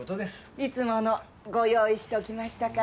いつものご用意しておきましたから。